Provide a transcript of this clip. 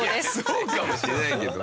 そうかもしれないけど。